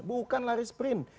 bukan lari sprint